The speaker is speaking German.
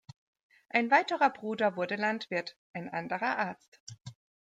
Ein weiterer Bruder wurde Landwirt, ein anderer Arzt.